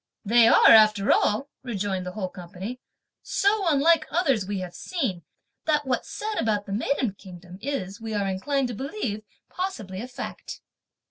"They are, after all," rejoined the whole company, "so unlike others (we have seen), that what's said about the maiden kingdom is, we are inclined to believe, possibly a fact."